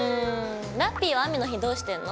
ラッピィは雨の日どうしてんの？